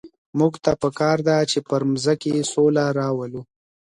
موږ ته په کار ده چي پر مځکي سوله راولو.